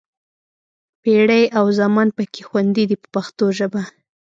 پېړۍ او زمان پکې خوندي دي په پښتو ژبه.